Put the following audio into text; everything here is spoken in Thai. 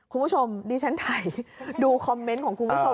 คุณผู้ชมดิฉันถ่ายดูคอมเมนต์ของคุณผู้ชม